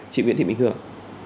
chị nguyễn thị minh hương